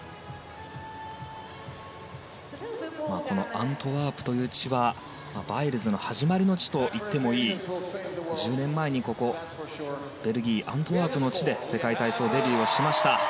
アントワープという地はバイルズの始まりの地といってもいい１０年前にここベルギーアントワープの地で世界体操デビューをしました。